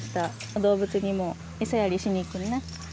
動物にもえさやりしに行くよね。